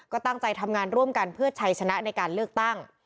ก็ตั้งใจทำงานร่วมกันเพื่อชัยชนะในการเลือกตั้ง